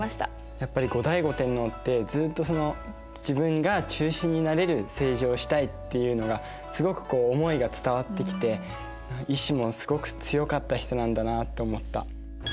やっぱり後醍醐天皇ってずっとその自分が中心になれる政治をしたいっていうのがすごくこう思いが伝わってきて意志もすごく強かった人なんだなって思った。